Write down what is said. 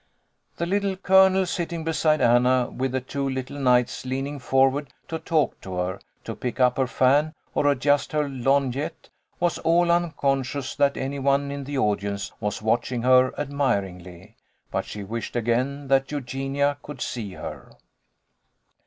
The Little Colonel, sitting beside Anna, with the two little knights leaning forward to talk to her, to pick up her fan, or adjust her lorgnette, was all unconscious that any one in the audience was watch ing her admiringly, but she wished again that Eu genia could see her.